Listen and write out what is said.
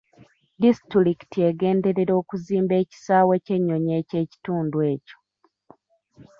Disitulikiti egenderera okuzimba ekisaawe ky'ennyonyi eky'ekitundu ekyo.